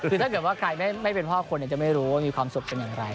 คือถ้าเกิดว่าใครไม่เป็นพ่อคนจะไม่รู้ว่ามีความสุขเป็นอย่างไร